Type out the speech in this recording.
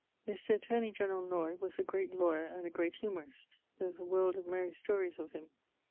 Mr. attorney generall Noy was a great lawyer and a great humorist. There is a world of merry stories of him.